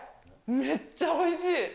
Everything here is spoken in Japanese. めっちゃおいしい。